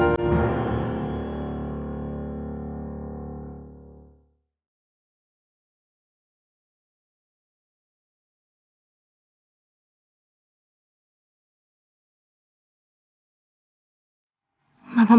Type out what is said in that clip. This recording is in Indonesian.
sampai jumpa lagi